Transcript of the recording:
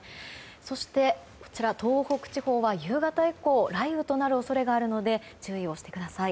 そして東北地方は夕方以降雷雨となる恐れがあるので注意をしてください。